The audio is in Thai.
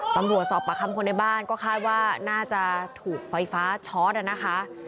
ตำรวจสอบประคำคนในบ้านก็คาดว่าน่าจะถูกไฟฟ้าช็อตนะคะ